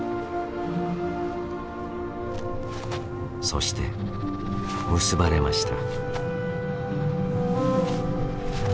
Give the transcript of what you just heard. そして結ばれました。